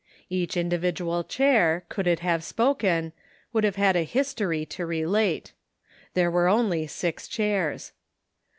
Each individual chair, could it have spoken, would have had a history to relate. There were only six chairs.